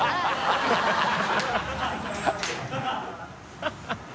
ハハハ